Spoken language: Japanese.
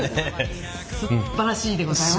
すっばらしいでございます。